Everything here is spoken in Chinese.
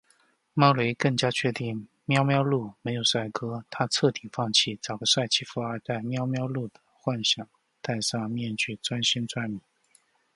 猫雷更加确定喵喵露没有帅哥，她彻底放弃找个帅气富二代喵喵露的幻想，戴上面具专心赚米